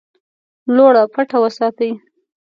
لوړه پټه وساتي.